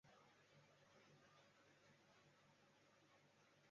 是北美洲最常见的兔。